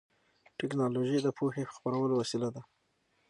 ټیکنالوژي د پوهې خپرولو وسیله ده.